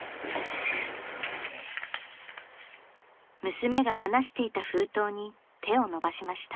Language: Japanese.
［娘が話していた封筒に手を伸ばしました］